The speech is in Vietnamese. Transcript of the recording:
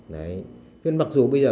đấy nhưng mặc dù bây giờ